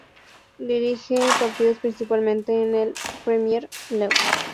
Dirige partidos principalmente en la Premier League.